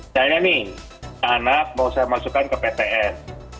saya nih anak mau saya masukkan ke ptn